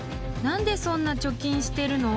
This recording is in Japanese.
何でそんな貯金してるの？］